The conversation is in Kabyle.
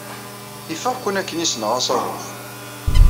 Ifeɣ-ken akken ay ssneɣ asaḍuf.